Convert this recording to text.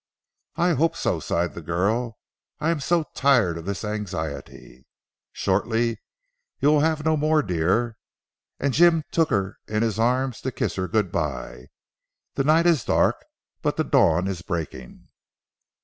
"I hope so," sighed the girl. "I am so tired of this anxiety." "Shortly you will have no more, dear," and Jim took her in his arms to kiss her good bye, "the night is dark, but the dawn is breaking."